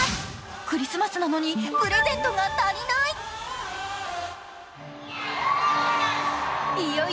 クリスマスなのにプレゼントが足りない？